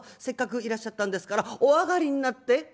せっかくいらっしゃったんですからお上がりになって』。